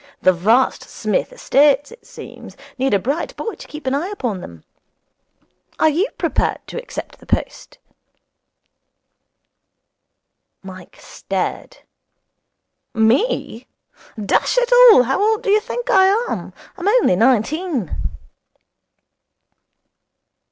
The vast Psmith estates, it seems, need a bright boy to keep an eye upon them. Are you prepared to accept the post?' Mike stared. 'Me! Dash it all, how old do you think I am? I'm only nineteen.'